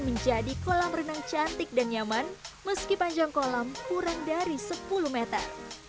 menjadi kolam renang cantik dan nyaman meski panjang kolam kurang dari sepuluh meter